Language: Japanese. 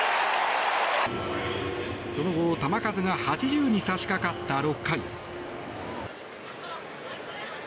その後、投球が８０に差し掛かった６回。